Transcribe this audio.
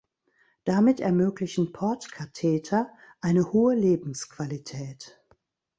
Damit ermöglichen Port-Katheter eine hohe Lebensqualität.